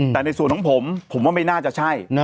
แต่ในส่วนของผมผมว่าไม่น่าจะใช่